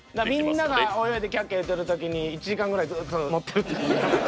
だからみんなが泳いでキャッキャッいうてる時に１時間ぐらいずっと持ってるっていう事？